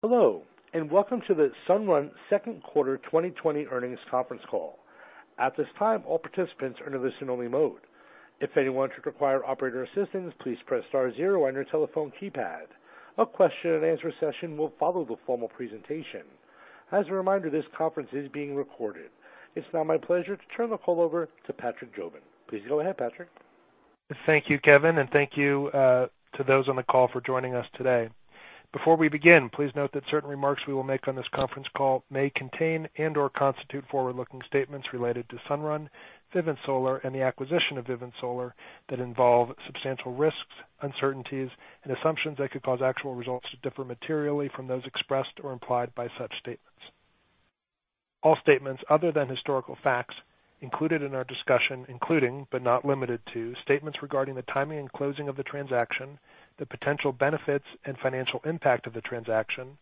Hello and welcome to the Sunrun second quarter 2020 earnings conference call. At this time, all participants are in a listen only mode. If anyone should require operator assistance, please press star zero on your telephone keypad. A question and answer session will follow the formal presentation. As a reminder, this conference is being recorded. It's now my pleasure to turn the call over to Patrick Jobin. Please go ahead Patrick. Thank you Kevin and thank you to those on the call for joining us today. Before we begin, please note that certain remarks we will make on this conference call may contain and/or constitute forward-looking statements related to Sunrun, Vivint Solar, and the acquisition of Vivint Solar that involve substantial risks, uncertainties, and assumptions that could cause actual results to differ materially from those expressed or implied by such statements. All statements other than historical facts included in our discussion, including, but not limited to, statements regarding the timing and closing of the transaction, the potential benefits and financial impact of the transaction,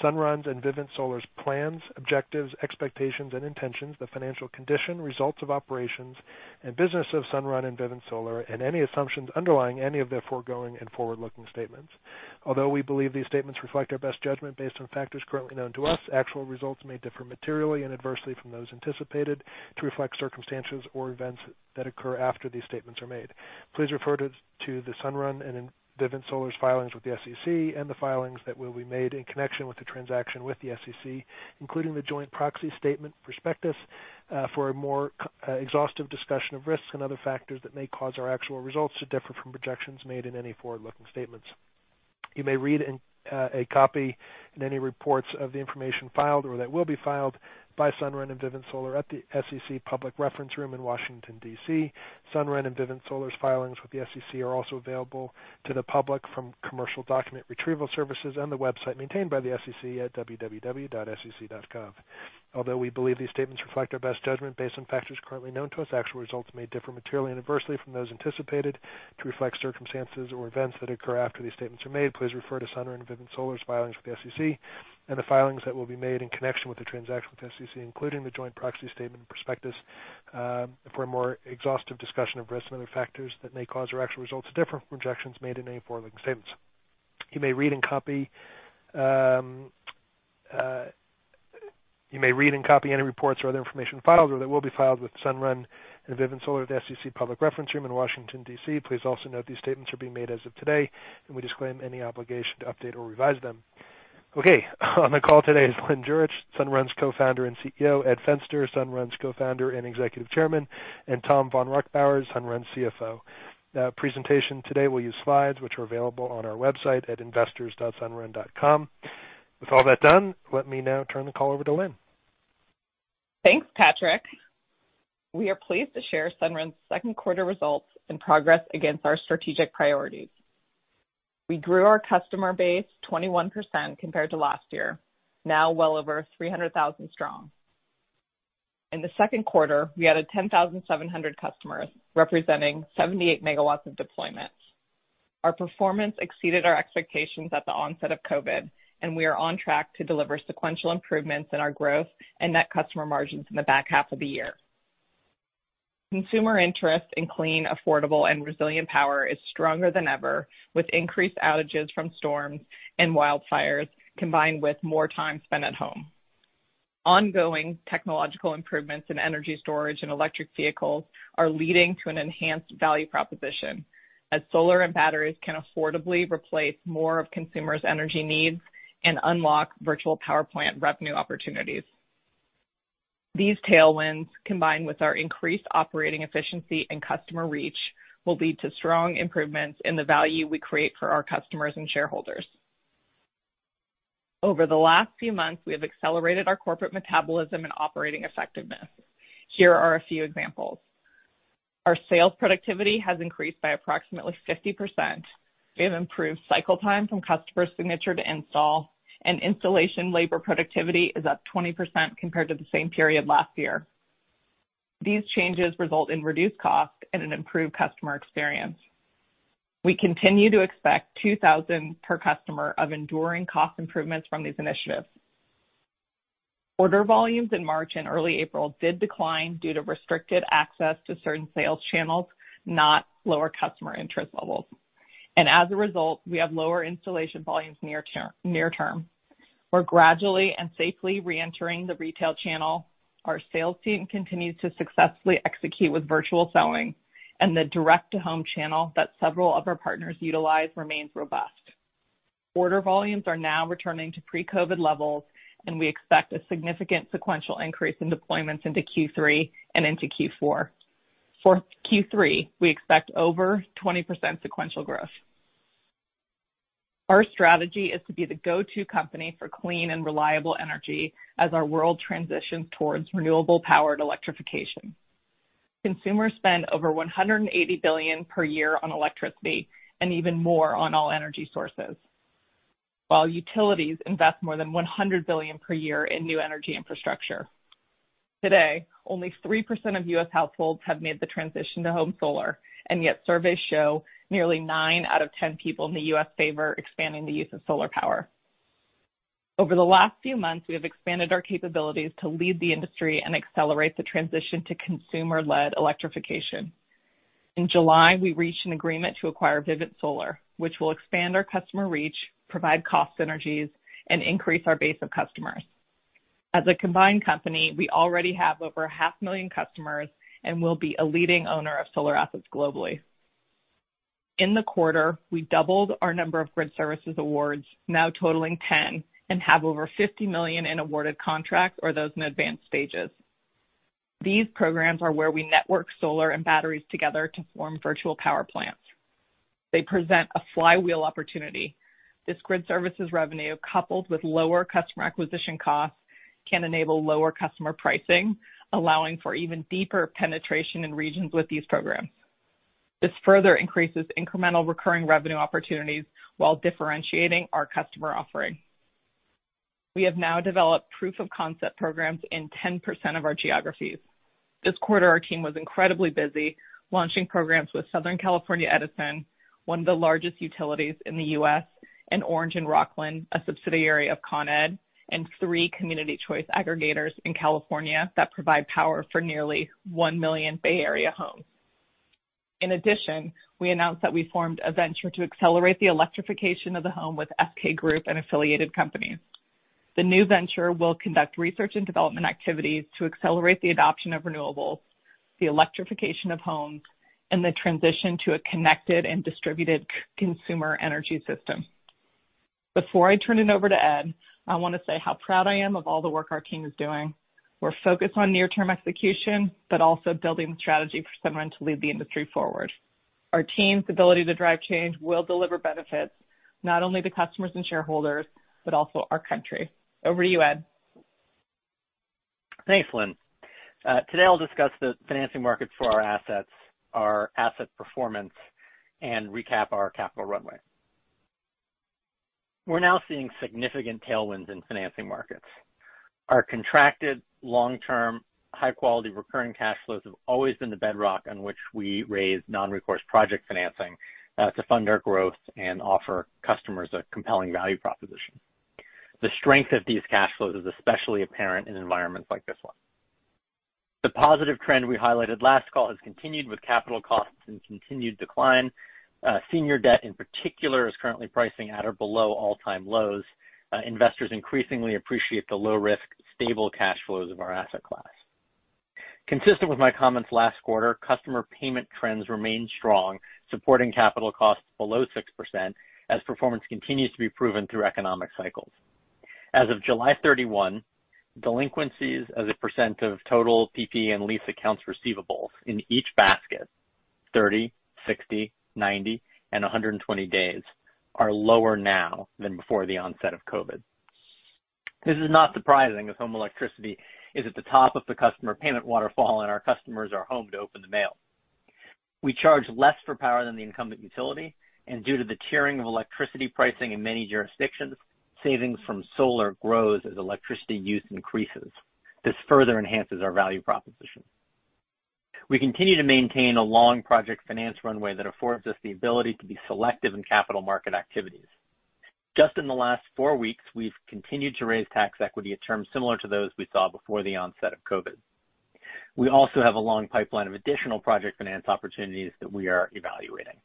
Sunrun's and Vivint Solar's plans, objectives, expectations, and intentions, the financial condition, results of operations, and business of Sunrun and Vivint Solar, and any assumptions underlying any of the foregoing and forward-looking statements. Although we believe these statements reflect our best judgment based on factors currently known to us, actual results may differ materially and adversely from those anticipated to reflect circumstances or events that occur after these statements are made. Please refer to the Sunrun and Vivint Solar's filings with the SEC and the filings that will be made in connection with the transaction with the SEC, including the joint proxy statement prospectus, for a more exhaustive discussion of risks and other factors that may cause our actual results to differ from projections made in any forward-looking statements. You may read a copy in any reports of the information filed or that will be filed by Sunrun and Vivint Solar at the SEC Public Reference Room in Washington, D.C. Sunrun and Vivint Solar's filings with the SEC are also available to the public from commercial document retrieval services and the website maintained by the SEC at www.sec.gov. Although we believe these statements reflect our best judgment based on factors currently known to us, actual results may differ materially and adversely from those anticipated to reflect circumstances or events that occur after these statements are made. Please refer to Sunrun and Vivint Solar's filings with the SEC and the filings that will be made in connection with the transaction with the SEC, including the joint proxy statement prospectus, for a more exhaustive discussion of risks and other factors that may cause our actual results to differ from projections made in any forward-looking statements. You may read and copy any reports or other information filed or that will be filed with Sunrun and Vivint Solar at the SEC Public Reference Room in Washington, D.C. Please also note these statements are being made as of today, and we disclaim any obligation to update or revise them. Okay, on the call today is Lynn Jurich, Sunrun's Co-founder and CEO, Ed Fenster, Sunrun's Co-founder and Executive Chairman, and Tom vonReichbauer, Sunrun's CFO. Presentation today will use slides which are available on our website at investors.sunrun.com. With all that done, let me now turn the call over to Lynn. Thanks Patrick. We are pleased to share Sunrun's second quarter results and progress against our strategic priorities. We grew our customer base 21% compared to last year, now well over 300,000 strong. In the second quarter, we added 10,700 customers representing 78 MW of deployments. Our performance exceeded our expectations at the onset of COVID, and we are on track to deliver sequential improvements in our growth and net customer margins in the back half of the year. Consumer interest in clean, affordable, and resilient power is stronger than ever with increased outages from storms and wildfires, combined with more time spent at home. Ongoing technological improvements in energy storage and electric vehicles are leading to an enhanced value proposition as solar and batteries can affordably replace more of consumers' energy needs and unlock virtual power plant revenue opportunities. These tailwinds, combined with our increased operating efficiency and customer reach, will lead to strong improvements in the value we create for our customers and shareholders. Over the last few months, we have accelerated our corporate metabolism and operating effectiveness. Here are a few examples. Our sales productivity has increased by approximately 50%. We have improved cycle time from customer signature to install, and installation labor productivity is up 20% compared to the same period last year. These changes result in reduced costs and an improved customer experience. We continue to expect $2,000 per customer of enduring cost improvements from these initiatives. Order volumes in March and early April did decline due to restricted access to certain sales channels, not lower customer interest levels. As a result, we have lower installation volumes near-term. We're gradually and safely re-entering the retail channel. Our sales team continues to successfully execute with virtual selling, and the direct-to-home channel that several of our partners utilize remains robust. Order volumes are now returning to pre-COVID levels, and we expect a significant sequential increase in deployments into Q3 and into Q4. For Q3, we expect over 20% sequential growth. Our strategy is to be the go-to company for clean and reliable energy as our world transitions towards renewable powered electrification. Consumers spend over $180 billion per year on electricity, and even more on all energy sources, while utilities invest more than $100 billion per year in new energy infrastructure. Today, only 3% of U.S. households have made the transition to home solar, and yet surveys show nearly nine out of 10 people in the U.S. favor expanding the use of solar power. Over the last few months, we have expanded our capabilities to lead the industry and accelerate the transition to consumer-led electrification. In July, we reached an agreement to acquire Vivint Solar, which will expand our customer reach, provide cost synergies, and increase our base of customers. As a combined company, we already have over a half million customers and will be a leading owner of solar assets globally. In the quarter, we doubled our number of grid services awards, now totaling 10, and have over $50 million in awarded contracts or those in advanced stages. These programs are where we network solar and batteries together to form virtual power plants. They present a flywheel opportunity. This grid services revenue, coupled with lower customer acquisition costs, can enable lower customer pricing, allowing for even deeper penetration in regions with these programs. This further increases incremental recurring revenue opportunities while differentiating our customer offering. We have now developed proof of concept programs in 10% of our geographies. This quarter, our team was incredibly busy launching programs with Southern California Edison, one of the largest utilities in the U.S., and Orange and Rockland, a subsidiary of Con Ed, and three Community Choice Aggregators in California that provide power for nearly 1 million Bay Area homes. In addition, we announced that we formed a venture to accelerate the electrification of the home with SK Group and affiliated companies. The new venture will conduct research and development activities to accelerate the adoption of renewables, the electrification of homes, and the transition to a connected and distributed consumer energy system. Before I turn it over to Ed, I want to say how proud I am of all the work our team is doing. We're focused on near-term execution, but also building the strategy for Sunrun to lead the industry forward. Our team's ability to drive change will deliver benefits not only to customers and shareholders, but also our country. Over to you Ed. Thanks Lynn. Today, I'll discuss the financing markets for our assets, our asset performance, and recap our capital runway. We're now seeing significant tailwinds in financing markets. Our contracted long-term, high-quality recurring cash flows have always been the bedrock on which we raise non-recourse project financing to fund our growth and offer customers a compelling value proposition. The strength of these cash flows is especially apparent in environments like this one. The positive trend we highlighted last call has continued with capital costs in continued decline. Senior debt in particular is currently pricing at or below all-time lows. Investors increasingly appreciate the low risk, stable cash flows of our asset class. Consistent with my comments last quarter, customer payment trends remain strong, supporting capital costs below 6% as performance continues to be proven through economic cycles. As of July 31, delinquencies as a percent of total PPA and lease accounts receivables in each basket, 30, 60, 90, and 120 days, are lower now than before the onset of COVID. This is not surprising, as home electricity is at the top of the customer payment waterfall, and our customers are home to open the mail. We charge less for power than the incumbent utility, and due to the tiering of electricity pricing in many jurisdictions, savings from solar grows as electricity use increases. This further enhances our value proposition. We continue to maintain a long project finance runway that affords us the ability to be selective in capital market activities. Just in the last four weeks, we've continued to raise tax equity at terms similar to those we saw before the onset of COVID. We also have a long pipeline of additional project finance opportunities that we are evaluating.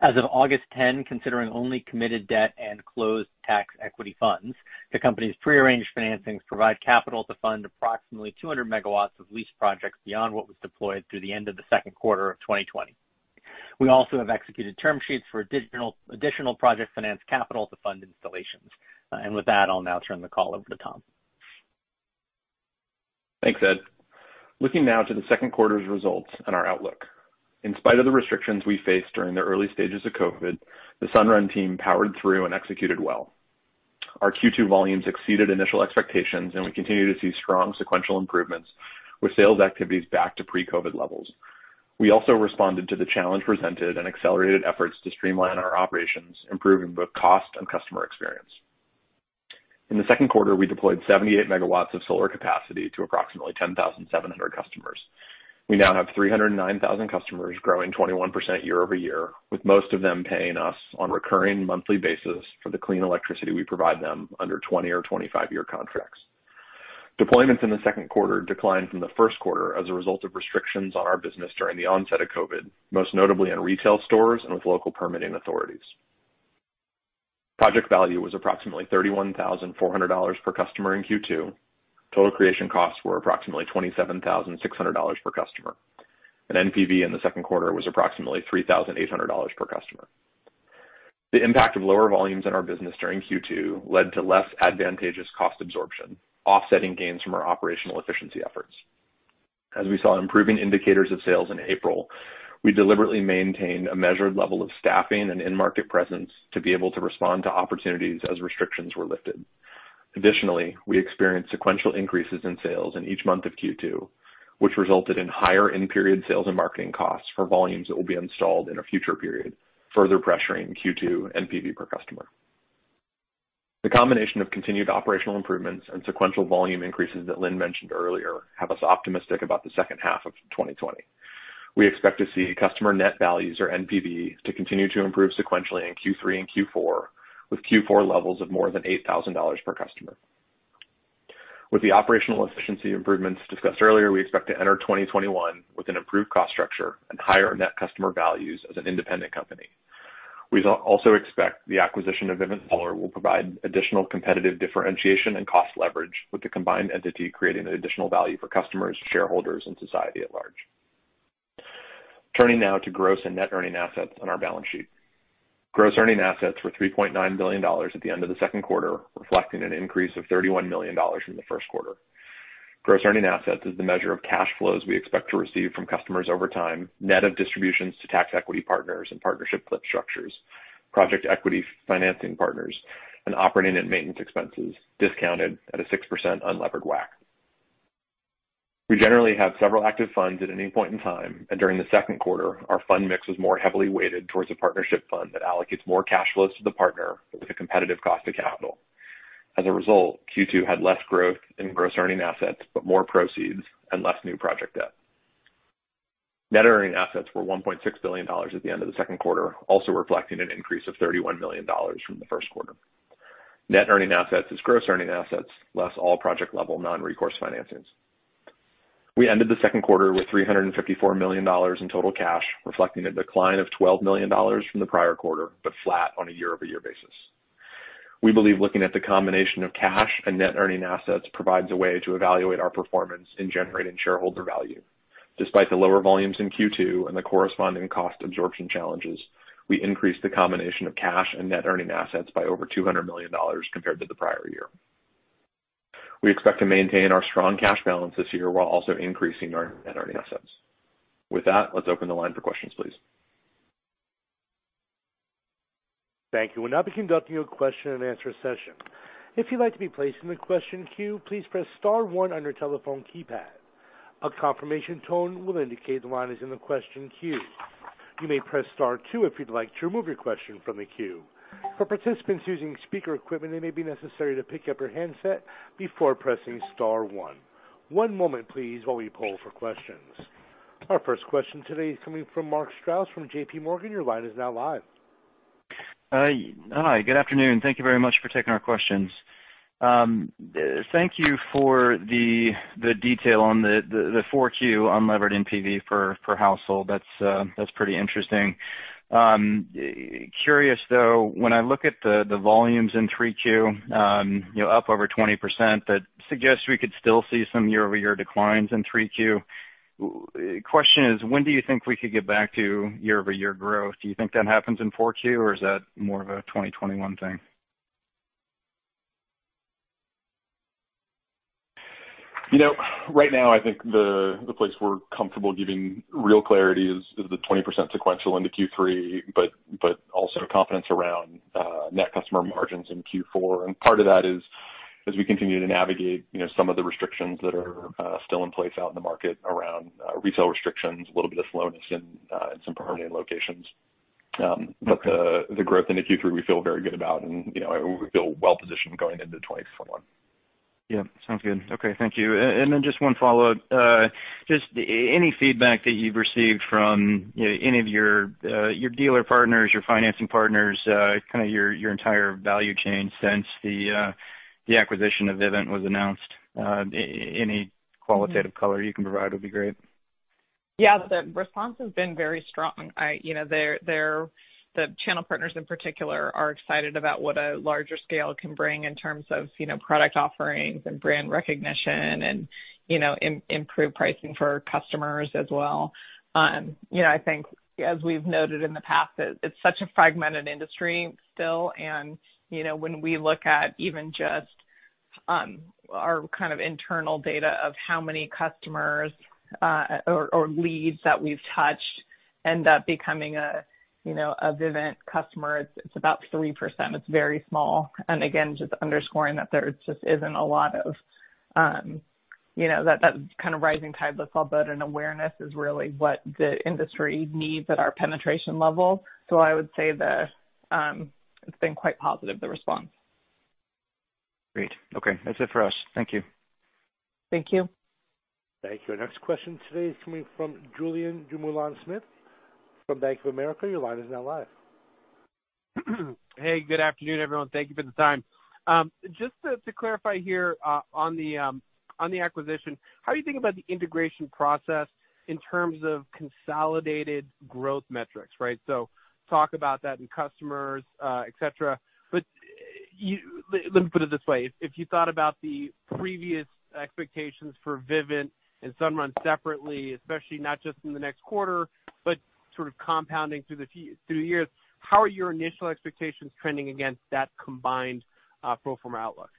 As of August 10, considering only committed debt and closed tax equity funds, the company's pre-arranged financings provide capital to fund approximately 200 MW of leased projects beyond what was deployed through the end of the second quarter of 2020. We also have executed term sheets for additional project finance capital to fund installations. With that, I'll now turn the call over to Tom. Thanks Ed. Looking now to the second quarter's results and our outlook. In spite of the restrictions we faced during the early stages of COVID, the Sunrun team powered through and executed well. Our Q2 volumes exceeded initial expectations. We continue to see strong sequential improvements with sales activities back to pre-COVID levels. We also responded to the challenge presented and accelerated efforts to streamline our operations, improving both cost and customer experience. In the second quarter, we deployed 78 MW of solar capacity to approximately 10,700 customers. We now have 309,000 customers growing 21% year-over-year, with most of them paying us on recurring monthly basis for the clean electricity we provide them under 20 or 25-year contracts. Deployments in the second quarter declined from the first quarter as a result of restrictions on our business during the onset of COVID, most notably in retail stores and with local permitting authorities. Project value was approximately $31,400 per customer in Q2. Total creation costs were approximately $27,600 per customer. NPV in the second quarter was approximately $3,800 per customer. The impact of lower volumes in our business during Q2 led to less advantageous cost absorption, offsetting gains from our operational efficiency efforts. As we saw improving indicators of sales in April, we deliberately maintained a measured level of staffing and end market presence to be able to respond to opportunities as restrictions were lifted. Additionally, we experienced sequential increases in sales in each month of Q2, which resulted in higher end-period sales and marketing costs for volumes that will be installed in a future period, further pressuring Q2 NPV per customer. The combination of continued operational improvements and sequential volume increases that Lynn mentioned earlier have us optimistic about the second half of 2020. We expect to see customer net values or NPV to continue to improve sequentially in Q3 and Q4, with Q4 levels of more than $8,000 per customer. With the operational efficiency improvements discussed earlier, we expect to enter 2021 with an improved cost structure and higher net customer values as an independent company. We also expect the acquisition of Vivint Solar will provide additional competitive differentiation and cost leverage with the combined entity, creating an additional value for customers, shareholders, and society at large. Turning now to gross and net earning assets on our balance sheet. Gross earning assets were $3.9 billion at the end of the second quarter, reflecting an increase of $31 million from the first quarter. Gross earning assets is the measure of cash flows we expect to receive from customers over time, net of distributions to tax equity partners and partnership flip structures, project equity financing partners, and operating and maintenance expenses discounted at a 6% unlevered WACC. We generally have several active funds at any point in time, and during the second quarter, our fund mix was more heavily weighted towards a partnership fund that allocates more cash flows to the partner with a competitive cost of capital. As a result, Q2 had less growth in gross earning assets, but more proceeds and less new project debt. Net earning assets were $1.6 billion at the end of the second quarter, also reflecting an increase of $31 million from the first quarter. Net earning assets is gross earning assets less all project-level non-recourse financings. We ended the second quarter with $354 million in total cash, reflecting a decline of $12 million from the prior quarter, but flat on a year-over-year basis. We believe looking at the combination of cash and net earning assets provides a way to evaluate our performance in generating shareholder value. Despite the lower volumes in Q2 and the corresponding cost absorption challenges, we increased the combination of cash and net earning assets by over $200 million compared to the prior year. We expect to maintain our strong cash balance this year while also increasing our net earning assets. With that, let's open the line for questions please. Thank you. We'll now be conducting a question and answer session. If you'd like to be placed in the question queue, please press star one on your telephone keypad. A confirmation tone will indicate the line is in the question queue. You may press star two if you'd like to remove your question from the queue. For participants using speaker equipment, it may be necessary to pick up your handset before pressing star one. One moment please, while we poll for questions. Our first question today is coming from Mark Strouse from JPMorgan. Your line is now live. Hi. Good afternoon. Thank you very much for taking our questions. Thank you for the detail on the 4Q unlevered NPV per household. That's pretty interesting. Curious though, when I look at the volumes in Q3, up over 20%, that suggests we could still see some year-over-year declines in Q3. Question is, when do you think we could get back to year-over-year growth? Do you think that happens in Q4 or is that more of a 2021 thing? Right now, I think the place we're comfortable giving real clarity is the 20% sequential into Q3, but also confidence around net customer margins in Q4. Part of that is as we continue to navigate some of the restrictions that are still in place out in the market around resale restrictions, a little bit of slowness in some permitting locations. The growth into Q3 we feel very good about and we feel well positioned going into 2021. Yeah. Sounds good. Okay. Thank you. Just one follow-up. Just any feedback that you've received from any of your dealer partners, your financing partners, kind of your entire value chain since the acquisition of Vivint was announced? Any qualitative color you can provide would be great. Yeah. The response has been very strong. The channel partners in particular are excited about what a larger scale can bring in terms of product offerings and brand recognition and improved pricing for customers as well. I think as we've noted in the past that it's such a fragmented industry still, and when we look at even just our kind of internal data of how many customers or leads that we've touched end up becoming a Vivint customer, it's about 3%. It's very small. Again, just underscoring that there just isn't a lot of that kind of rising tide lifts all boat and awareness is really what the industry needs at our penetration level. I would say it's been quite positive, the response. Great. Okay. That's it for us. Thank you. Thank you. Thank you. Our next question today is coming from Julien Dumoulin-Smith from Bank of America. Your line is now live. Good afternoon everyone. Thank you for the time. Just to clarify here on the acquisition, how are you thinking about the integration process in terms of consolidated growth metrics, right? Talk about that in customers, et cetera. Let me put it this way. If you thought about the previous expectations for Vivint and Sunrun separately, especially not just in the next quarter, but sort of compounding through the years, how are your initial expectations trending against that combined pro forma outlook?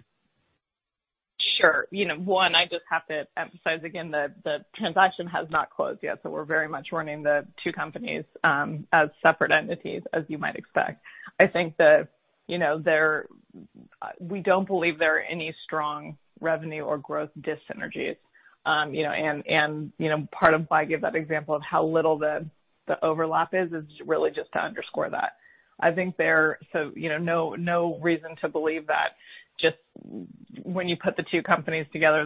Sure. One, I just have to emphasize again that the transaction has not closed yet, so we're very much running the two companies as separate entities, as you might expect. Part of why I give that example of how little the overlap is really just to underscore that. I think that we don't believe there are any strong revenue or growth dis-synergies. I think there, no reason to believe that just when you put the two companies together,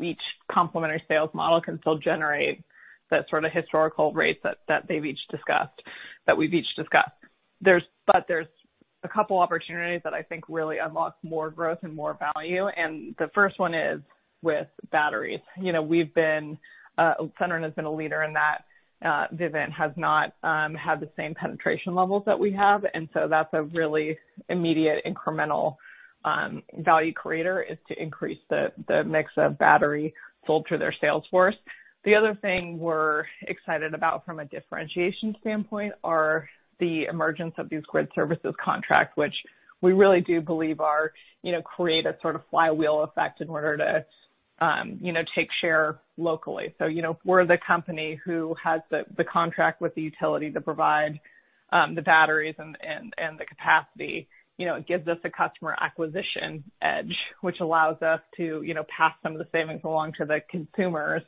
each complementary sales model can still generate that sort of historical rates that they've each discussed. There's a couple opportunities that I think really unlock more growth and more value, and the first one is with batteries. Sunrun has been a leader in that. Vivint has not had the same penetration levels that we have, that's a really immediate incremental value creator is to increase the mix of battery sold through their sales force. The other thing we're excited about from a differentiation standpoint are the emergence of these grid services contracts, which we really do believe create a sort of flywheel effect in order to take share locally. We're the company who has the contract with the utility to provide the batteries and the capacity. It gives us a customer acquisition edge, which allows us to pass some of the savings along to the consumers,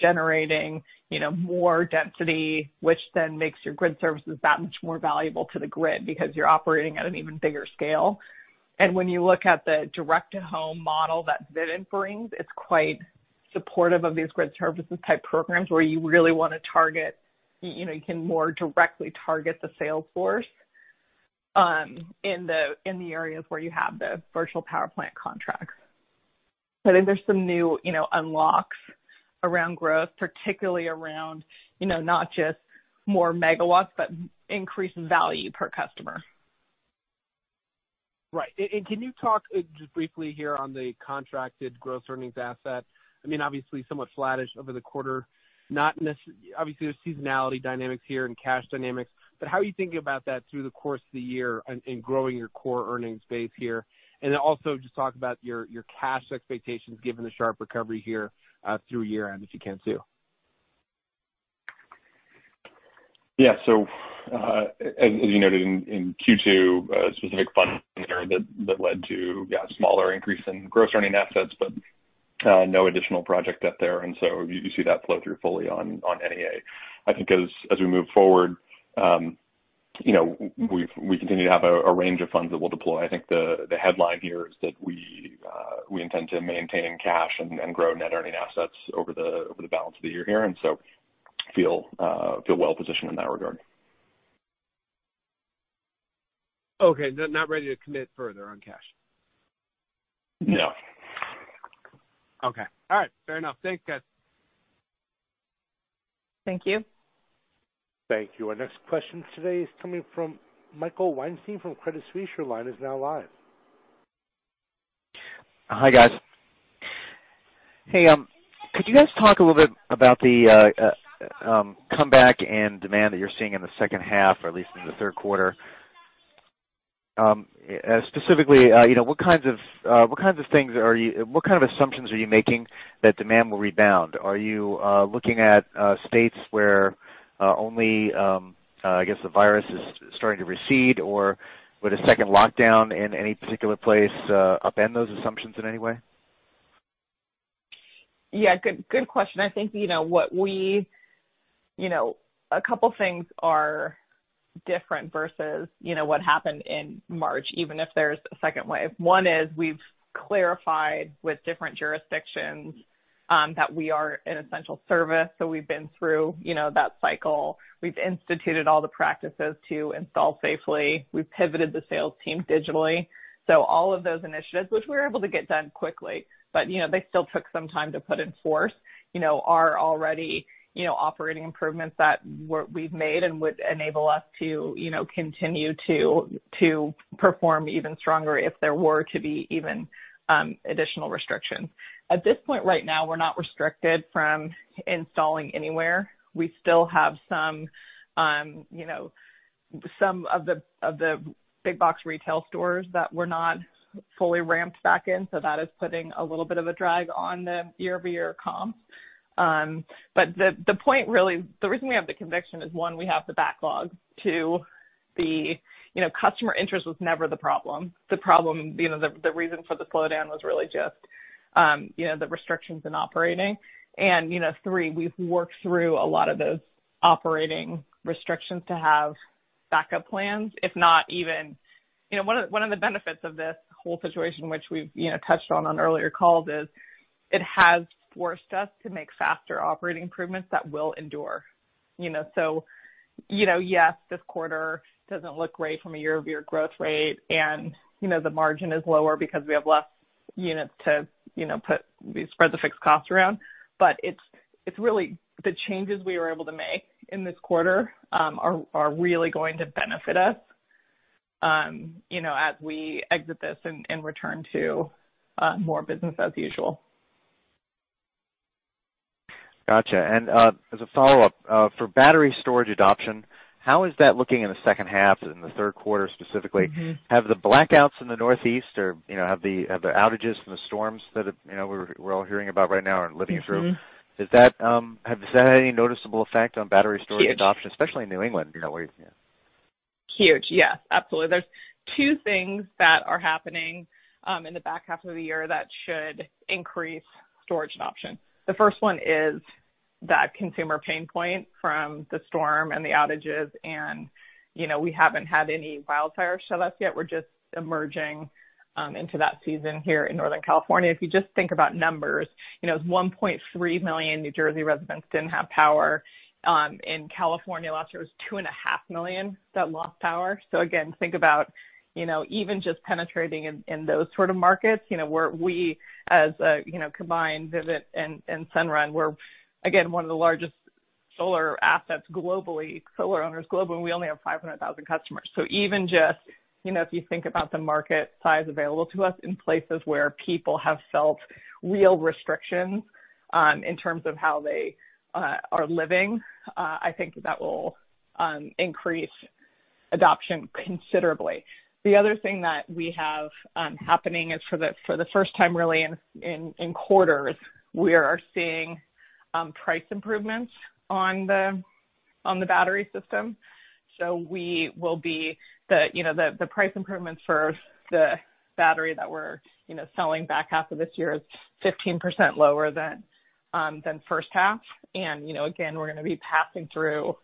generating more density, makes your grid services that much more valuable to the grid because you're operating at an even bigger scale. When you look at the direct-to-home model that Vivint brings, it's quite supportive of these grid services type programs where you can more directly target the sales force in the areas where you have the virtual power plant contracts. I think there's some new unlocks around growth, particularly around not just more megawatts, but increased value per customer. Right. Can you talk just briefly here on the contracted gross earnings asset? Obviously, somewhat flattish over the quarter. Obviously, there's seasonality dynamics here and cash dynamics, but how are you thinking about that through the course of the year in growing your core earnings base here? Also just talk about your cash expectations given the sharp recovery here through year-end, if you can too. Yeah. As you noted in Q2, a specific fund that led to a smaller increase in gross earning assets, but no additional project debt there. You see that flow through fully on NEA. I think as we move forward, we continue to have a range of funds that we'll deploy. I think the headline here is that we intend to maintain cash and grow net earning assets over the balance of the year here, and so feel well-positioned in that regard. Okay. Not ready to commit further on cash? No. Okay. All right. Fair enough. Thanks guys. Thank you. Thank you. Our next question today is coming from Michael Weinstein from Credit Suisse. Your line is now live. Hi guys. Hey, could you guys talk a little bit about the comeback in demand that you're seeing in the second half, or at least in the third quarter? Specifically, what kind of assumptions are you making that demand will rebound? Are you looking at states where only, I guess the virus is starting to recede, or would a second lockdown in any particular place upend those assumptions in any way? Yeah. Good question. I think a couple things are different versus what happened in March, even if there's a second wave. One is we've clarified with different jurisdictions that we are an essential service. We've been through that cycle. We've instituted all the practices to install safely. We've pivoted the sales team digitally. All of those initiatives, which we were able to get done quickly, but they still took some time to put in force, are already operating improvements that we've made and would enable us to continue to perform even stronger if there were to be even additional restrictions. At this point right now, we're not restricted from installing anywhere. We still have some of the big box retail stores that were not fully ramped back in, so that is putting a little bit of a drag on the year-over-year comp. The reason we have the conviction is, One, we have the backlog. Two, the customer interest was never the problem. The reason for the slowdown was really just the restrictions in operating. Three, we've worked through a lot of those operating restrictions to have backup plans. One of the benefits of this whole situation, which we've touched on earlier calls, is it has forced us to make faster operating improvements that will endure. Yes, this quarter doesn't look great from a year-over-year growth rate, and the margin is lower because we have less units to spread the fixed cost around. The changes we were able to make in this quarter are really going to benefit us as we exit this and return to more business as usual. Gotcha. As a follow-up, for battery storage adoption, how is that looking in the second half, in the third quarter specifically? Have the blackouts in the Northeast or have the outages from the storms that we're all hearing about right now and living through? Has that had any noticeable effect on battery storage? Huge ...adoption, especially in New England? Huge. Yes, absolutely. There's two things that are happening in the back half of the year that should increase storage adoption. That consumer pain point from the storm and the outages. We haven't had any wildfires hit us yet. We're just emerging into that season here in Northern California. If you just think about numbers, 1.3 million New Jersey residents didn't have power. In California last year, it was 2.5 million that lost power. Again, think about even just penetrating in those sort of markets, where we as combined Vivint and Sunrun, we're again, one of the largest solar assets globally, solar owners globally, and we only have 500,000 customers. Even just if you think about the market size available to us in places where people have felt real restrictions in terms of how they are living, I think that will increase adoption considerably. The other thing that we have happening is for the first time really in quarters, we are seeing price improvements on the battery system. The price improvements for the battery that we're selling back half of this year is 15% lower than first half. Again, we're going to be passing through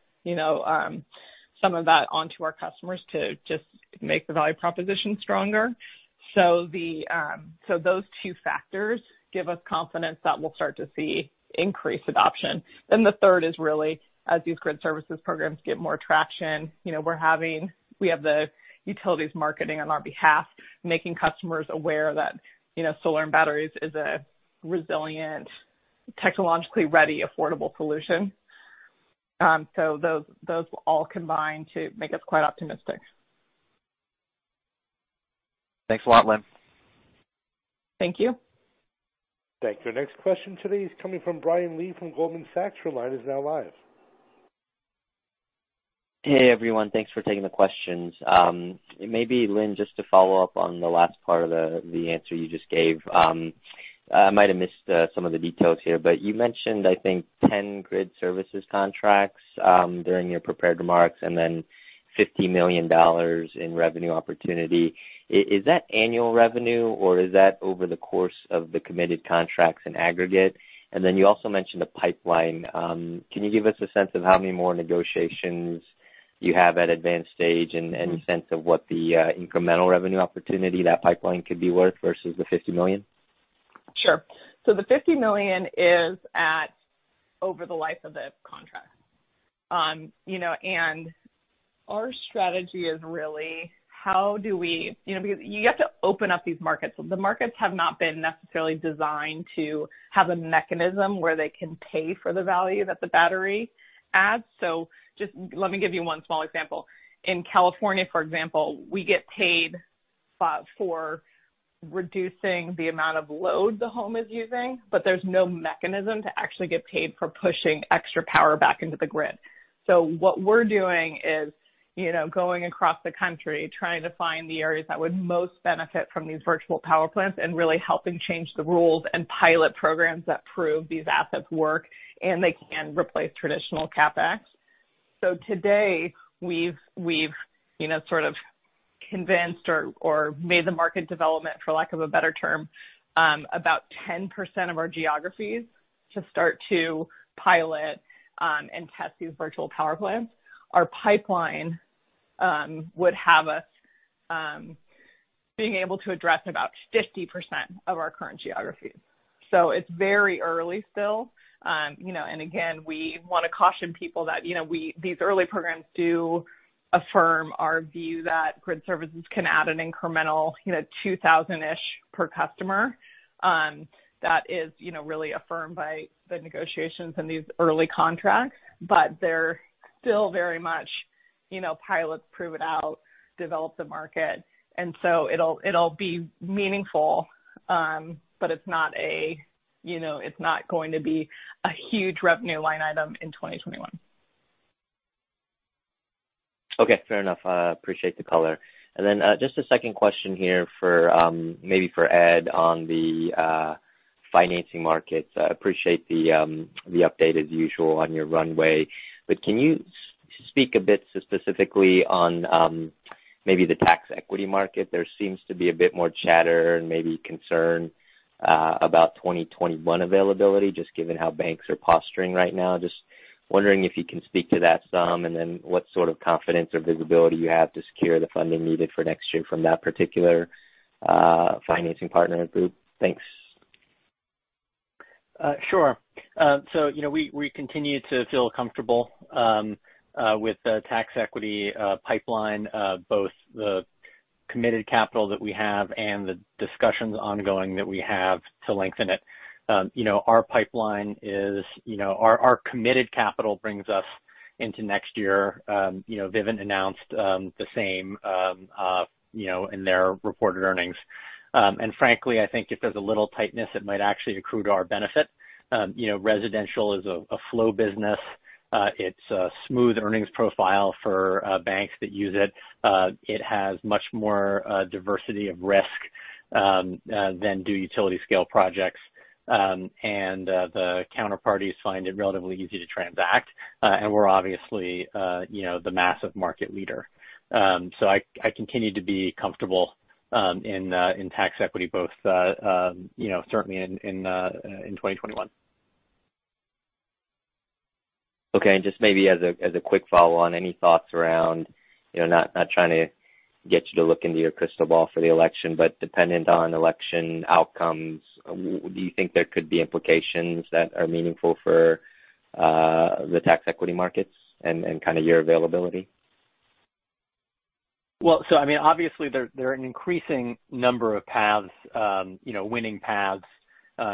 some of that onto our customers to just make the value proposition stronger. Those two factors give us confidence that we'll start to see increased adoption. The third is really as these grid services programs get more traction, we have the utilities marketing on our behalf, making customers aware that solar and batteries is a resilient, technologically ready, affordable solution. Those all combine to make us quite optimistic. Thanks a lot Lynn. Thank you. Thank you. Next question today is coming from Brian Lee from Goldman Sachs. Your line is now live. Hey everyone. Thanks for taking the questions. Maybe Lynn, just to follow up on the last part of the answer you just gave. I might have missed some of the details here, but you mentioned, I think, 10 grid services contracts during your prepared remarks, and then $50 million in revenue opportunity. Is that annual revenue or is that over the course of the committed contracts in aggregate? You also mentioned the pipeline. Can you give us a sense of how many more negotiations you have at advanced stage and any sense of what the incremental revenue opportunity that pipeline could be worth versus the $50 million? Sure. The $50 million is at over the life of the contract. Our strategy is really because you have to open up these markets. The markets have not been necessarily designed to have a mechanism where they can pay for the value that the battery adds. Just let me give you one small example. In California, for example, we get paid for reducing the amount of load the home is using, but there's no mechanism to actually get paid for pushing extra power back into the grid. What we're doing is going across the country trying to find the areas that would most benefit from these virtual power plants and really helping change the rules and pilot programs that prove these assets work and they can replace traditional CapEx. Today we've sort of convinced or made the market development, for lack of a better term, about 10% of our geographies to start to pilot and test these virtual power plants. Our pipeline would have us being able to address about 50% of our current geographies. It's very early still. Again, we want to caution people that these early programs do affirm our view that grid services can add an incremental $2,000-ish per customer. That is really affirmed by the negotiations in these early contracts, but they're still very much pilots prove it out, develop the market. It'll be meaningful, but it's not going to be a huge revenue line item in 2021. Okay fair enough. Appreciate the color. Just a second question here maybe for Ed on the financing markets. Appreciate the update as usual on your runway, can you speak a bit specifically on maybe the tax equity market? There seems to be a bit more chatter and maybe concern about 2021 availability, just given how banks are posturing right now. Just wondering if you can speak to that some, what sort of confidence or visibility you have to secure the funding needed for next year from that particular financing partner group? Thanks. Sure. We continue to feel comfortable with the tax equity pipeline both the committed capital that we have and the discussions ongoing that we have to lengthen it. Our committed capital brings us into next year. Vivint announced the same in their reported earnings. Frankly, I think if there's a little tightness, it might actually accrue to our benefit. Residential is a flow business. It's a smooth earnings profile for banks that use it. It has much more diversity of risk than do utility scale projects. The counterparties find it relatively easy to transact. We're obviously the massive market leader. I continue to be comfortable in tax equity both certainly in 2021. Okay. Just maybe as a quick follow on, any thoughts around, not trying to get you to look into your crystal ball for the election, but dependent on election outcomes, do you think there could be implications that are meaningful for the tax equity markets and kind of your availability? I mean, obviously there are an increasing number of paths, winning paths,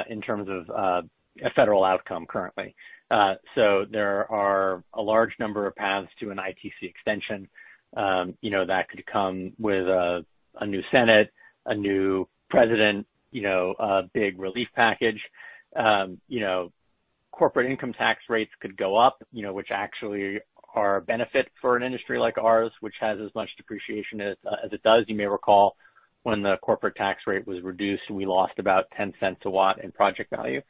in terms of a federal outcome currently. There are a large number of paths to an ITC extension that could come with a new senate, a new president, a big relief package. Corporate income tax rates could go up which actually are a benefit for an industry like ours, which has as much depreciation as it does. You may recall when the corporate tax rate was reduced, we lost about $0.10 a watt in project value.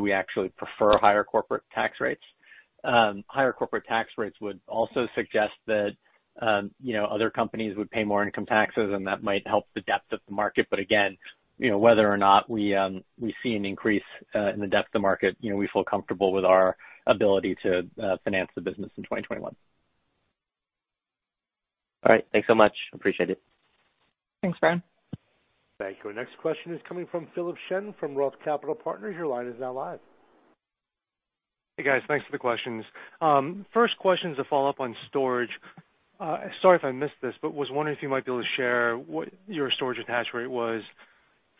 We actually prefer higher corporate tax rates. Higher corporate tax rates would also suggest that other companies would pay more income taxes, and that might help the depth of the market. Again, whether or not we see an increase in the depth of the market, we feel comfortable with our ability to finance the business in 2021. All right, thanks so much. Appreciate it. Thanks Brian. Thank you. Our next question is coming from Philip Shen from Roth Capital Partners. Your line is now live. Hey, guys. Thanks for the questions. First question is a follow-up on storage. Sorry if I missed this, but was wondering if you might be able to share what your storage attach rate was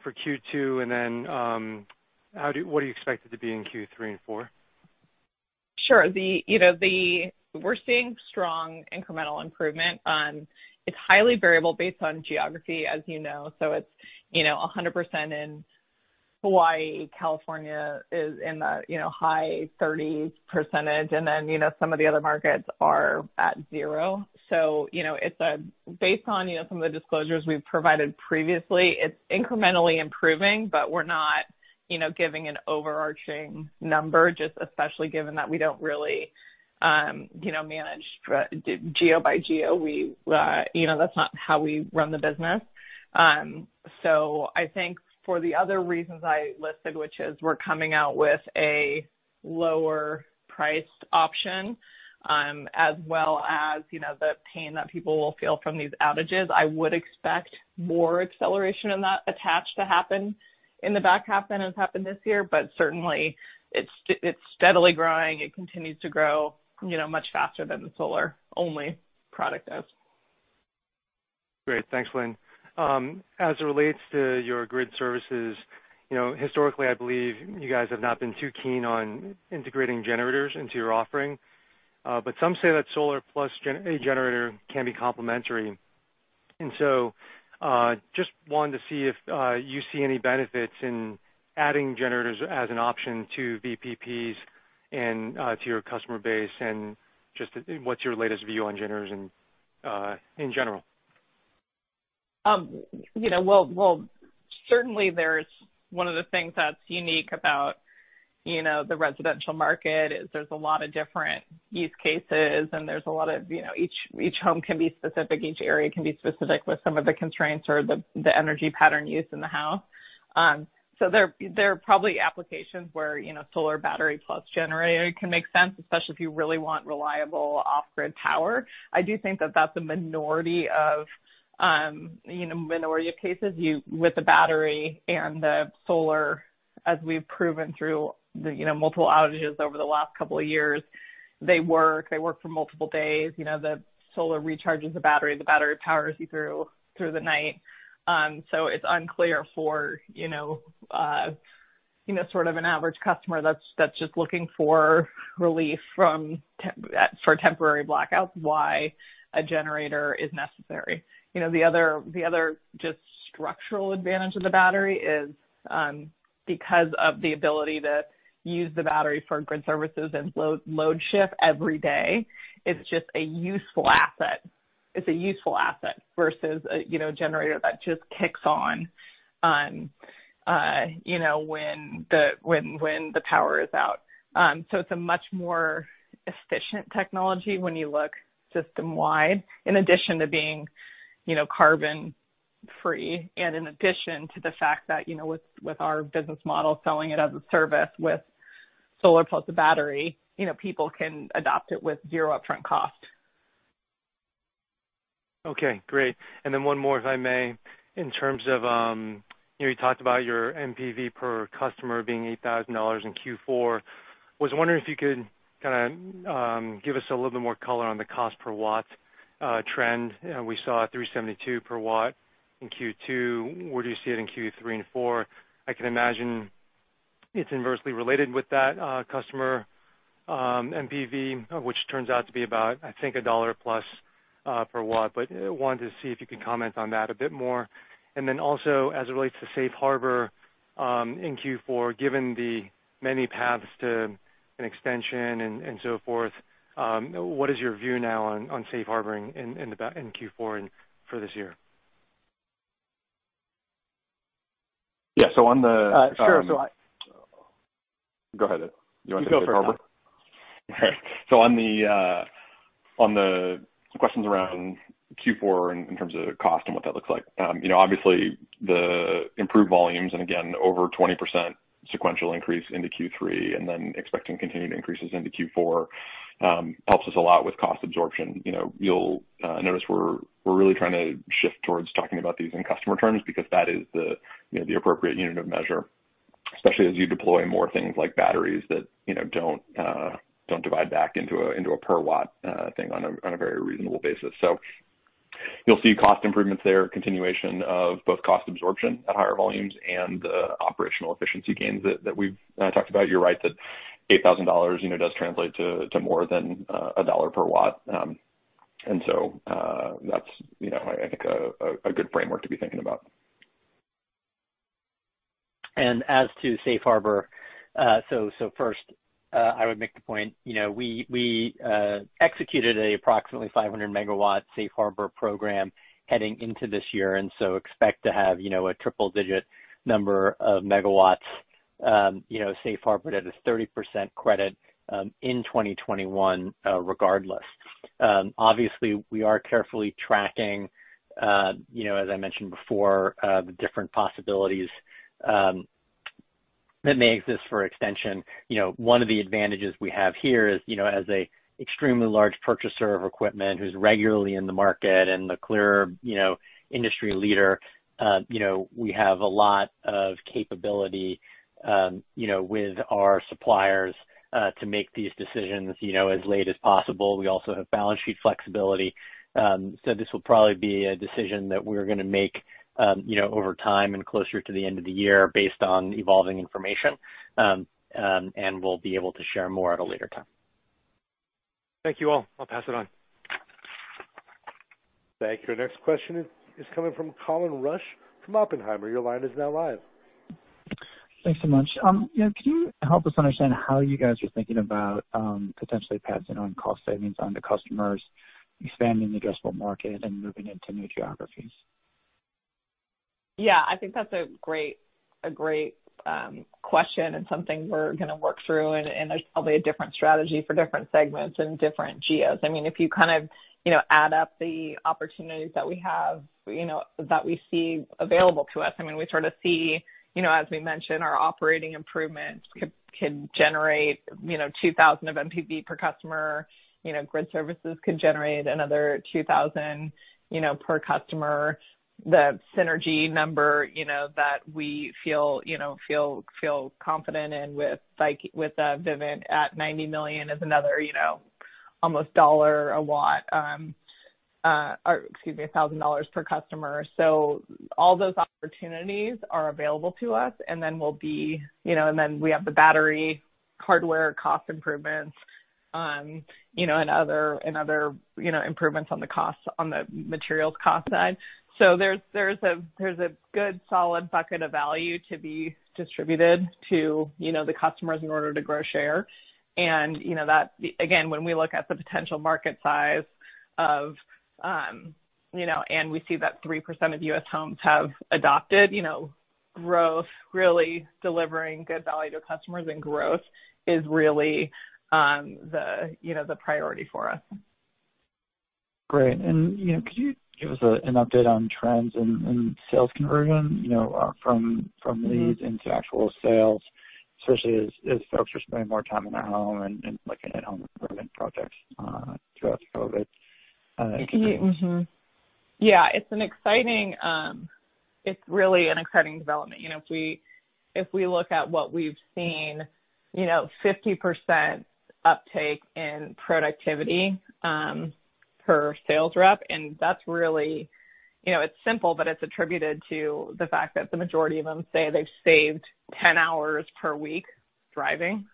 for Q2, and then what do you expect it to be in Q3 and four? Sure. We're seeing strong incremental improvement. It's highly variable based on geography, as you know. It's 100% in Hawaii. California is in the high thirties percentage, and then some of the other markets are at zero. Based on some of the disclosures we've provided previously, it's incrementally improving, but we're not giving an overarching number, just especially given that we don't really manage geo-by-geo. That's not how we run the business. I think for the other reasons I listed, which is we're coming out with a lower priced option as well as the pain that people will feel from these outages, I would expect more acceleration in that attach to happen in the back half than has happened this year. Certainly it's steadily growing. It continues to grow much faster than the solar-only product is. Great. Thanks Lynn. As it relates to your grid services, historically, I believe you guys have not been too keen on integrating generators into your offering. Some say that solar plus a generator can be complementary. Just wanted to see if you see any benefits in adding generators as an option to VPPs and to your customer base, and just what's your latest view on generators in general? Well, certainly one of the things that's unique about the residential market is there's a lot of different use cases and each home can be specific, each area can be specific with some of the constraints or the energy pattern use in the house. There are probably applications where solar battery plus generator can make sense, especially if you really want reliable off-grid power. I do think that that's a minority of cases. With the battery and the solar, as we've proven through multiple outages over the last couple of years, they work. They work for multiple days. The solar recharges the battery. The battery powers you through the night. It's unclear for sort of an average customer that's just looking for relief for temporary blackouts why a generator is necessary. The other just structural advantage of the battery is because of the ability to use the battery for grid services and load shift every day, it's a useful asset versus a generator that just kicks on when the power is out. It's a much more efficient technology when you look system-wide, in addition to being carbon free and in addition to the fact that with our business model, selling it as a service with solar plus a battery, people can adopt it with zero upfront cost. Okay, great. One more, if I may. In terms of you talked about your NPV per customer being $8,000 in Q4. Was wondering if you could kind of give us a little bit more color on the cost per watt trend. We saw $3.72 per watt in Q2. Where do you see it in Q3 and Q4? I can imagine it's inversely related with that customer NPV, which turns out to be about, I think, $1 plus per watt. Wanted to see if you could comment on that a bit more. Also, as it relates to safe harbor in Q4, given the many paths to an extension and so forth, what is your view now on safe harboring in Q4 and for this year? Yeah. Sure. Go ahead. You want to take the safe harbor? You go first. On the questions around Q4 in terms of cost and what that looks like. Obviously, the improved volumes, and again, over 20% sequential increase into Q3 and then expecting continued increases into Q4, helps us a lot with cost absorption. You'll notice we're really trying to shift towards talking about these in customer terms, because that is the appropriate unit of measure, especially as you deploy more things like batteries that don't divide back into a per watt thing on a very reasonable basis. You'll see cost improvements there, continuation of both cost absorption at higher volumes and the operational efficiency gains that we've talked about. You're right that $8,000 does translate to more than a $1 per watt. That's I think a good framework to be thinking about. As to safe harbor. First, I would make the point, we executed a approximately 500 MW safe harbor program heading into this year, and so expect to have a triple-digit number of megawatts safe harbored at a 30% credit in 2021, regardless. Obviously, we are carefully tracking, as I mentioned before, the different possibilities that may exist for extension. One of the advantages we have here is, as a extremely large purchaser of equipment who's regularly in the market and the clear industry leader, we have a lot of capability with our suppliers, to make these decisions as late as possible. We also have balance sheet flexibility. This will probably be a decision that we're going to make over time and closer to the end of the year based on evolving information. We'll be able to share more at a later time. Thank you all. I'll pass it on. Thank you. Our next question is coming from Colin Rusch from Oppenheimer. Your line is now live. Thanks so much. Can you help us understand how you guys are thinking about potentially passing on cost savings onto customers, expanding the addressable market, and moving into new geographies? I think that's a great question and something we're going to work through, and there's probably a different strategy for different segments and different geos. If you add up the opportunities that we have, that we see available to us, we sort of see, as we mentioned, our operating improvements can generate $2,000 of NPV per customer. Grid services could generate another $2,000 per customer. The synergy number that we feel confident in with Vivint at $90 million is another almost $1 a watt. Or excuse me, $1,000 per customer. All those opportunities are available to us, and then we have the battery hardware cost improvements, and other improvements on the materials cost side. There's a good solid bucket of value to be distributed to the customers in order to grow share. Again, when we look at the potential market size of and we see that 3% of U.S. homes have adopted, growth, really delivering good value to customers and growth is really the priority for us. Great. Could you give us an update on trends in sales conversion from leads into actual sales, especially as folks are spending more time in their home and looking at home improvement projects throughout COVID? Mm-hmm. Yeah, it's really an exciting development. If we look at what we've seen, 50% uptake in productivity per sales rep, and that's really simple, but it's attributed to the fact that the majority of them say they've saved 10 hours per week driving.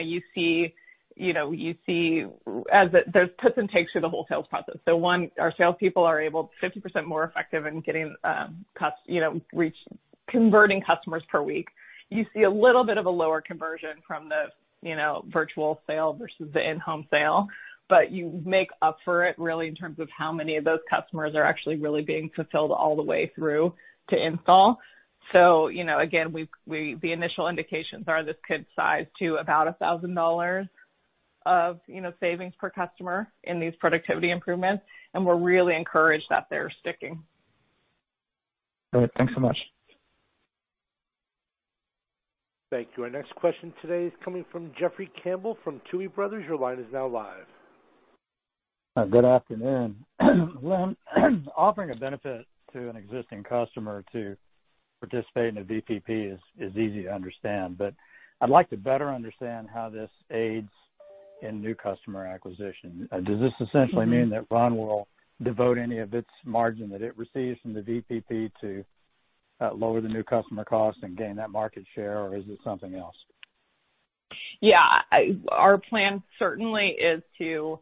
You see there's puts and takes through the whole sales process. One, our salespeople are 50% more effective in converting customers per week. You see a little bit of a lower conversion from the virtual sale versus the in-home sale. You make up for it really in terms of how many of those customers are actually really being fulfilled all the way through to install. Again, the initial indications are this could size to about $1,000 of savings per customer in these productivity improvements, and we're really encouraged that they're sticking. All right. Thanks so much. Thank you. Our next question today is coming from Jeffrey Campbell from Tuohy Brothers. Your line is now live. Good afternoon. Offering a benefit to an existing customer to participate in a VPP is easy to understand, but I'd like to better understand how this aids in new customer acquisition. Does this essentially mean that Sunrun will devote any of its margin that it receives from the VPP to lower the new customer cost and gain that market share, or is it something else? Yeah. Our plan certainly is to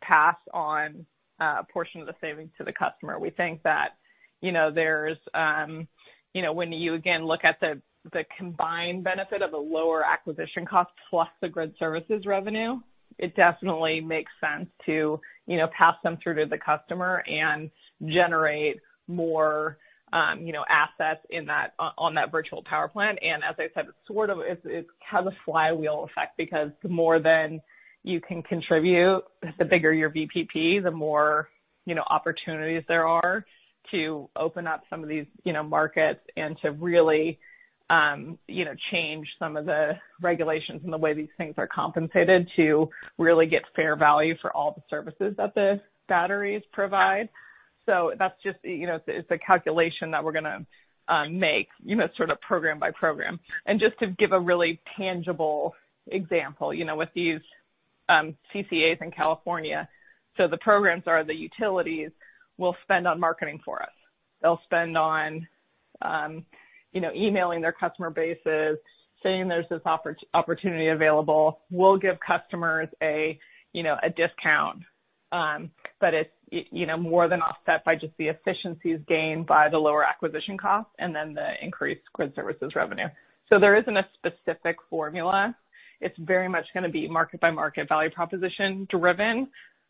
pass on a portion of the savings to the customer. We think that when you, again, look at the combined benefit of the lower acquisition cost plus the grid services revenue, it definitely makes sense to pass them through to the customer and generate more assets on that virtual power plant. As I said, it has a flywheel effect because the more than you can contribute, the bigger your VPP, the more opportunities there are to open up some of these markets and to really change some of the regulations and the way these things are compensated to really get fair value for all the services that the batteries provide. It's a calculation that we're going to make sort of program by program. Just to give a really tangible example, with these CCAs in California. The programs are the utilities will spend on marketing for us. They'll spend on emailing their customer bases, saying there's this opportunity available. We'll give customers a discount, but it's more than offset by just the efficiencies gained by the lower acquisition cost and then the increased grid services revenue. There isn't a specific formula. It's very much going to be market by market value proposition driven.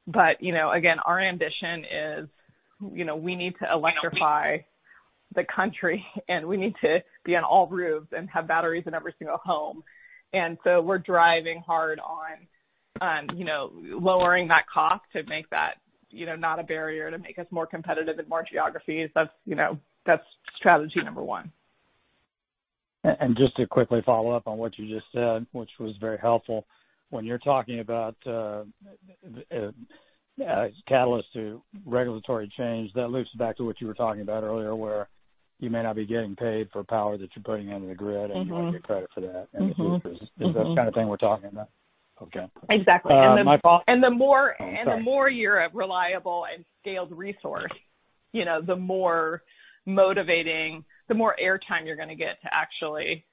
Again, our ambition is we need to electrify the country, and we need to be on all roofs and have batteries in every single home. We're driving hard on lowering that cost to make that not a barrier to make us more competitive in more geographies. That's strategy number one. Just to quickly follow up on what you just said, which was very helpful. When you're talking about a catalyst to regulatory change, that loops back to what you were talking about earlier, where you may not be getting paid for power that you're putting into the grid. You want to get credit for that. Is that the kind of thing we're talking about? Okay. Exactly. My follow-up. And the more- Oh, I'm sorry. You're a reliable and scaled resource, the more air time you're going to get to actually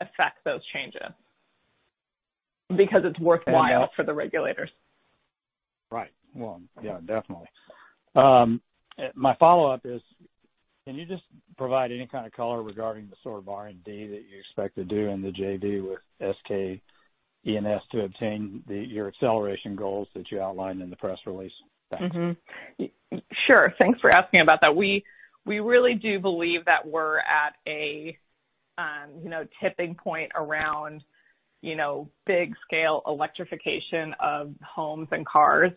affect those changes because it's worthwhile for the regulators. Well, yeah, definitely. My follow-up is, can you just provide any kind of color regarding the sort of R&D that you expect to do in the JV with SK E&S to obtain your acceleration goals that you outlined in the press release? Thanks. Sure. Thanks for asking about that. We really do believe that we're at a tipping point around big scale electrification of homes and cars.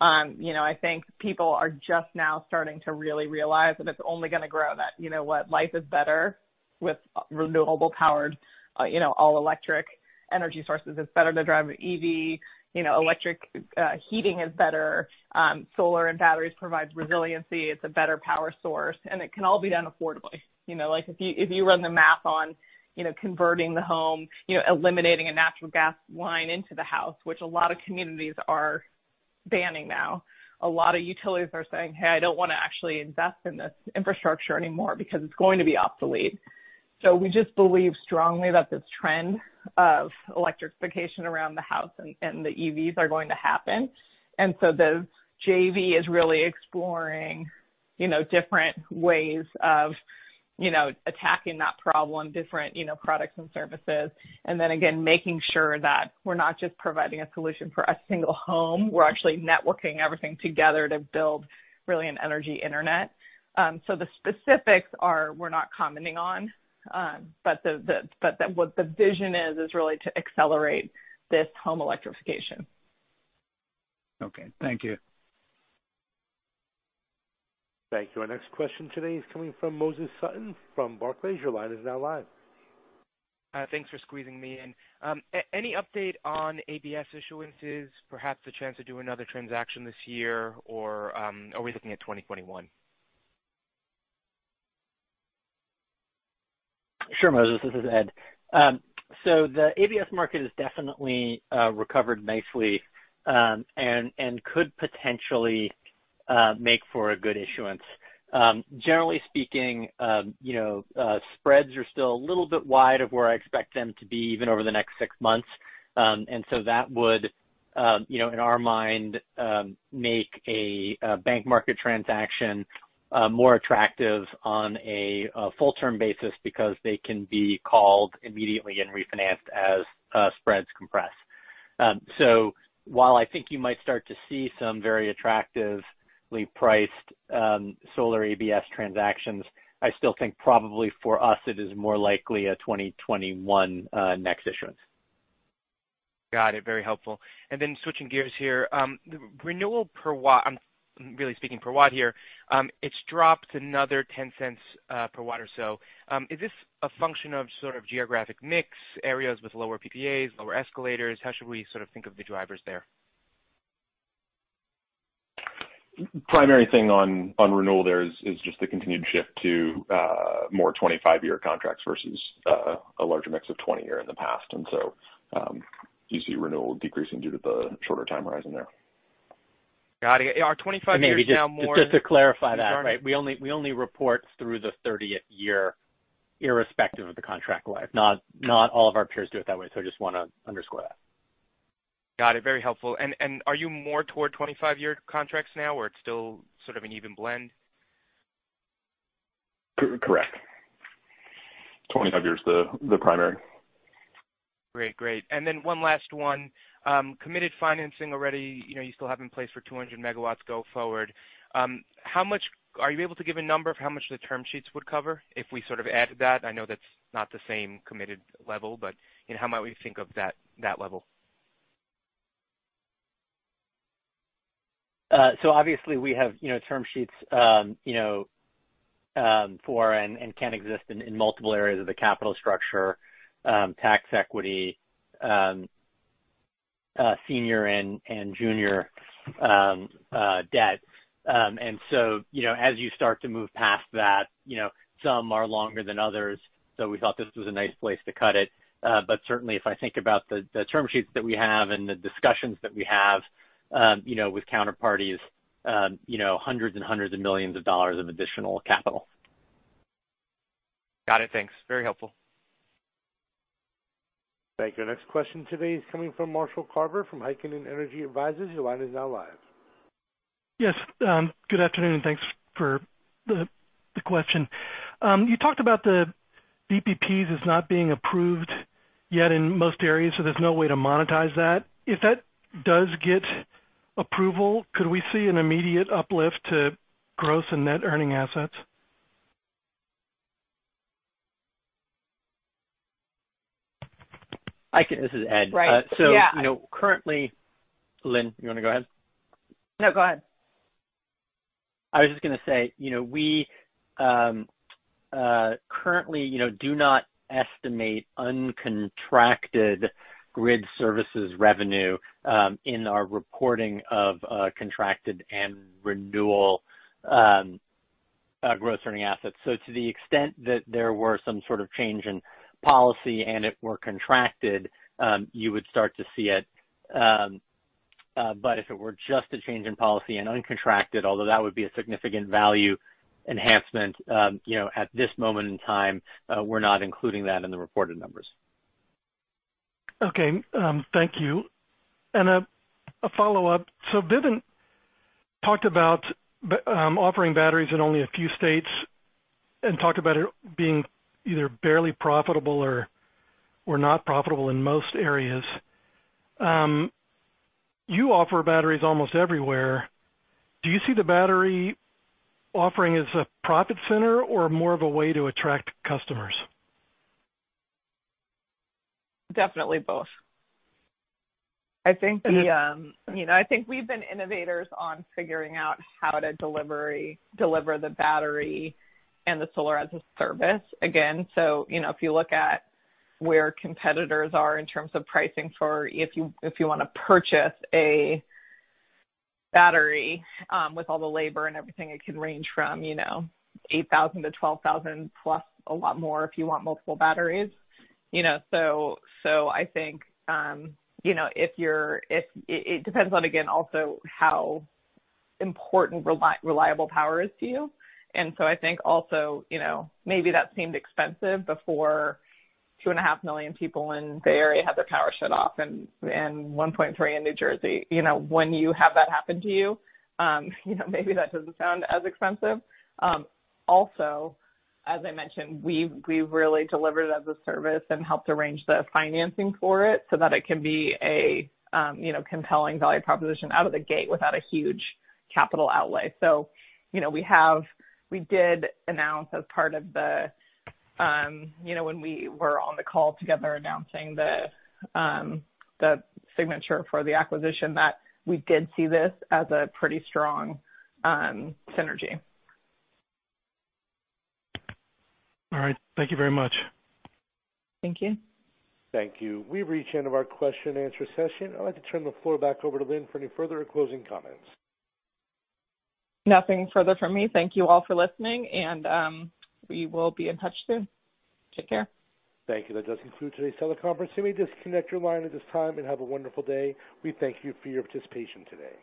I think people are just now starting to really realize, and it's only going to grow, that you know what? Life is better with renewable powered, all electric energy sources. It's better to drive an EV. Electric heating is better. Solar and batteries provides resiliency. It's a better power source, and it can all be done affordably. If you run the math on converting the home, eliminating a natural gas line into the house, which a lot of communities are banning now. A lot of utilities are saying, "Hey, I don't want to actually invest in this infrastructure anymore because it's going to be obsolete." We just believe strongly that this trend of electrification around the house and the EVs are going to happen. The JV is really exploring different ways of attacking that problem, different products and services. Again, making sure that we're not just providing a solution for a single home. We're actually networking everything together to build really an Energy Internet. The specifics are, we're not commenting on. What the vision is really to accelerate this home electrification. Okay. Thank you. Thank you. Our next question today is coming from Moses Sutton from Barclays. Your line is now live. Thanks for squeezing me in. Any update on ABS issuances? Perhaps a chance to do another transaction this year, or are we looking at 2021? Sure Moses, this is Ed. The ABS market has definitely recovered nicely and could potentially make for a good issuance. Generally speaking, spreads are still a little bit wide of where I expect them to be even over the next six months. That would in our mind make a bank market transaction more attractive on a full-term basis because they can be called immediately and refinanced as spreads compress. While I think you might start to see some very attractively priced solar ABS transactions, I still think probably for us it is more likely a 2021 next issuance. Got it. Very helpful. Switching gears here. Renewal per watt, I'm really speaking per watt here, it's dropped another $0.10 per watt or so. Is this a function of sort of geographic mix areas with lower PPAs, lower escalators? How should we sort of think of the drivers there? Primary thing on renewal there is just the continued shift to more 25-year contracts versus a larger mix of 20-year in the past. You see renewal decreasing due to the shorter time horizon there. Got it. Are 25 years now more- Maybe just to clarify that, right? We only report through the 30th year irrespective of the contract life. Not all of our peers do it that way. I just want to underscore that. Got it. Very helpful. Are you more toward 25-year contracts now, or it's still sort of an even blend? Correct. 25 years is the primary. Great. One last one. Committed financing already, you still have in place for 200 MW go forward. Are you able to give a number of how much the term sheets would cover if we sort of add to that? I know that's not the same committed level, but how might we think of that level? Obviously we have term sheets for and can exist in multiple areas of the capital structure, tax equity, senior and junior debt. As you start to move past that, some are longer than others. We thought this was a nice place to cut it. Certainly if I think about the term sheets that we have and the discussions that we have with counterparties, hundreds and hundreds of millions of dollars of additional capital. Got it. Thanks. Very helpful. Thank you. Next question today is coming from Marshall Carver from Heikkinen Energy Advisors. Your line is now live. Yes. Good afternoon thanks for the question. You talked about the VPPs as not being approved yet in most areas, so there's no way to monetize that. If that does get approval, could we see an immediate uplift to gross and net earning assets? I can. This is Ed. Right. Yeah. Currently Lynn, you want to go ahead? No, go ahead. I was just going to say, we currently do not estimate uncontracted grid services revenue in our reporting of contracted and renewal gross earning assets. To the extent that there were some sort of change in policy and it were contracted, you would start to see it. If it were just a change in policy and uncontracted, although that would be a significant value enhancement, at this moment in time, we're not including that in the reported numbers. Okay. Thank you. A follow-up. Vivint talked about offering batteries in only a few states and talked about it being either barely profitable or not profitable in most areas. You offer batteries almost everywhere. Do you see the battery offering as a profit center or more of a way to attract customers? Definitely both. I think we've been innovators on figuring out how to deliver the battery and the solar as a service, again. If you look at where competitors are in terms of pricing for if you want to purchase a battery with all the labor and everything, it can range from $8,000-$12,000 plus a lot more if you want multiple batteries. I think it depends on, again, also how important reliable power is to you. I think also maybe that seemed expensive before 2.5 million people in the Bay Area had their power shut off and 1.3 in New Jersey. When you have that happen to you, maybe that doesn't sound as expensive. As I mentioned, we've really delivered it as a service and helped arrange the financing for it so that it can be a compelling value proposition out of the gate without a huge capital outlay. We did announce as part of when we were on the call together announcing the signature for the acquisition, that we did see this as a pretty strong synergy. All right. Thank you very much. Thank you. Thank you. We've reached the end of our question and answer session. I'd like to turn the floor back over to Lynn for any further closing comments. Nothing further from me. Thank you all for listening. We will be in touch soon. Take care. Thank you. That does conclude today's teleconference. You may disconnect your line at this time and have a wonderful day. We thank you for your participation today.